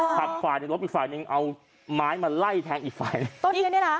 หักฝ่ายนึงรบอีกฝ่ายนึงเอาไม้มาไล่แท้งอีกฝ่ายนึง